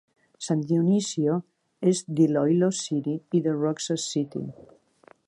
San Dionisio és d'Iloilo City i de Roxas City.